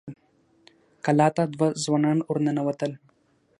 کلا ته دوه ځوانان ور ننوتل.